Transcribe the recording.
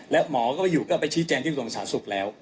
และหมอก็อยู่ก็ไปชี้แจงที่กระทรวงศาสุขแล้ว